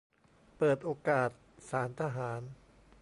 - เปิดโอกาสศาลทหาร